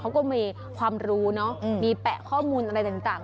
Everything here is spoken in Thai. เขาก็มีความรู้เนอะมีแปะข้อมูลอะไรต่าง